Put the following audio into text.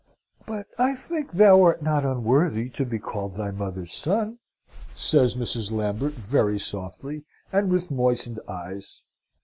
"But I think thou art not unworthy to be called thy mother's son," said Mrs. Lambert, very softly, and with moistened eyes.